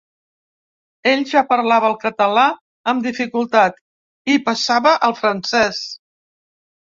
Ell ja parlava el català amb dificultat i passava al francès.